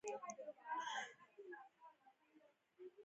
پلار يې امريکايانو په گوانټانامو کښې بندي کړى و.